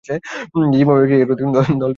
Zimbabwe cricket কর্তৃক দলটি পরিচালিত হচ্ছে।